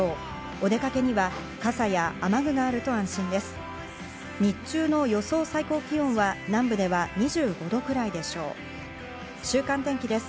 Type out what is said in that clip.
お出かけには傘や雨具があると安心です。